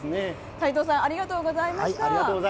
斎藤さん、ありがとうございました。